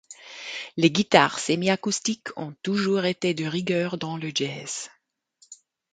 Les guitares semi-acoustiques ont toujours été de rigueur dans le jazz.